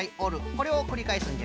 これをくりかえすんじゃよ。